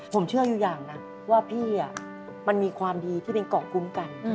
ผมเชื่ออยู่อย่างนะว่าพี่มันมีความดีที่เป็นเกาะคุ้มกัน